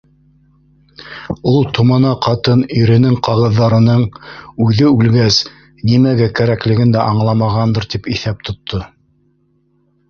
Ул томана ҡатын иренең ҡағыҙҙарының, үҙе улгәс, нимәгә кәрәклеген дә аңламағандыр, тип иҫәп тотто